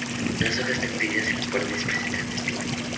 Las hojas están divididas y en los bordes presentan espinas.